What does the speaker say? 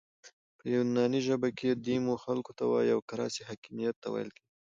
په یوناني ژبه کښي ديمو خلکو ته وایي او کراسي حاکمیت ته ویل کیږي.